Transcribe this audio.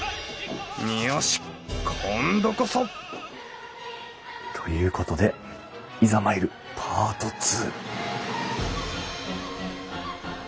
よし今度こそ！ということでいざ参るパート２。